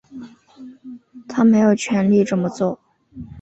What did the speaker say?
他没有权力这么做